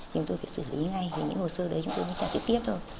chúng tôi phải xử lý ngay những hồ sơ đấy chúng tôi mới trả trực tiếp thôi